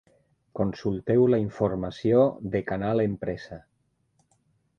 Consulteu la informació de Canal Empresa.